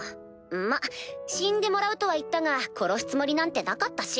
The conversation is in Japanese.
まっ死んでもらうとは言ったが殺すつもりなんてなかったし。